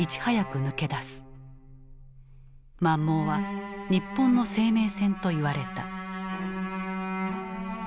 「満蒙は日本の生命線」と言われた。